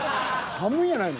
寒いんやないの？